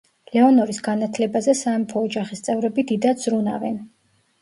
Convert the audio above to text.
ლეონორის განათლებაზე სამეფო ოჯახის წევრები დიდად ზრუნავენ.